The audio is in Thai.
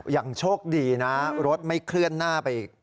ยังโชคดีนะรถไม่เคลื่อนหน้าไป